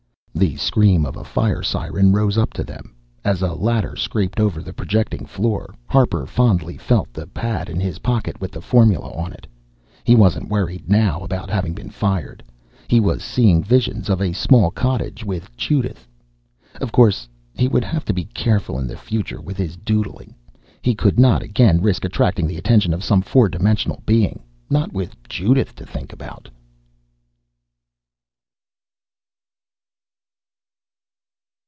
The scream of a fire siren rose up to them. As a ladder scraped over the projecting floor, Harper fondly felt the pad in his pocket with the formula on it. He wasn't worried now about having been fired. He was seeing visions of a small cottage with Judith.... Of course, he would have to be careful in the future with his "doodling"! He could not again risk attracting the attention of some four dimensional Being not with Judith to think about!